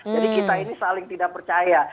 jadi kita ini saling tidak percaya